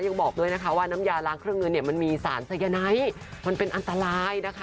ยังบอกด้วยนะคะว่าน้ำยาล้างเครื่องเงินเนี่ยมันมีสารสายไนท์มันเป็นอันตรายนะคะ